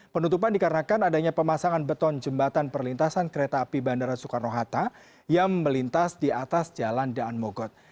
penutupan dikarenakan adanya pemasangan beton jembatan perlintasan kereta api bandara soekarno hatta yang melintas di atas jalan daan mogot